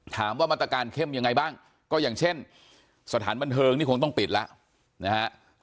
มาตรการเข้มยังไงบ้างก็อย่างเช่นสถานบันเทิงนี่คงต้องปิดแล้วนะฮะ